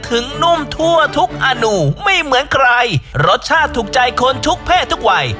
นุ่มทั่วทุกอนุไม่เหมือนใครรสชาติถูกใจคนทุกเพศทุกวัย